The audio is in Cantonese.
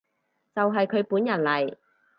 就係佢本人嚟